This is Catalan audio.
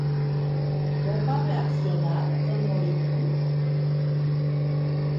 Com va reaccionar el moribund?